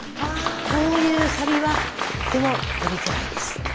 こういうサビはとっても取りづらいです。